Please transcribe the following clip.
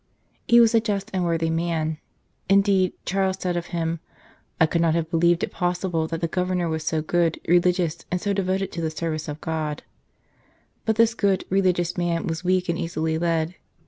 He was a just and worthy man ; indeed, Charles said of him :" I could not have believed it possible that the Governor was so good, religious, and so devoted to theservice of God." 72 The Commencement of the Struggle But this good, religious man was weak and easily led.